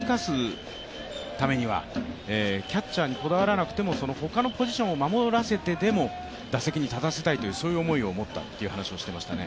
この打撃を絶対に生かすためにはキャッチャーにこだわらなくても他のポジションを守らせてでも打席に立たせたいという、そういう思いを持ったという話をしていましたね。